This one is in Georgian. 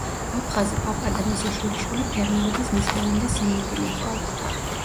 აფხაზი პაპა და მისი შვილიშვილი ფერმერობას მისდევენ და სიმინდი მოჰყავთ.